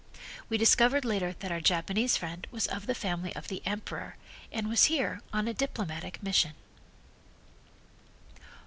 We discovered later that our Japanese friend was of the family of the Emperor and was here on a diplomatic mission.